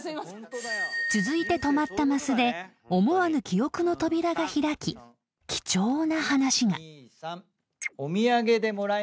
［続いて止まったマスで思わぬ記憶の扉が開き貴重な話が］